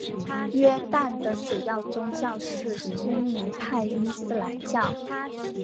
约旦的主要宗教是逊尼派伊斯兰教。